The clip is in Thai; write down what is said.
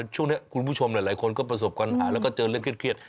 ช่วงนี้คุณผู้ชมหลายคนก็ประสบปัญหาแล้วก็เจอเรื่องเครียด